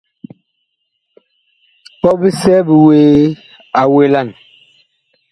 Ɓɔ bisɛ bi wuee a welan.